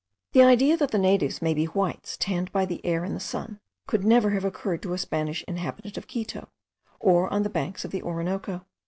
The idea that the natives may be whites tanned by the air and the sun, could never have occurred to a Spanish inhabitant of Quito, or of the banks of the Orinoco.